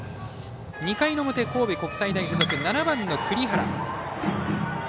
２回の表、神戸国際大付属７番の栗原。